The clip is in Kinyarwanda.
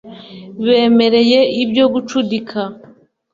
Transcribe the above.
bemeye ibyo gucudika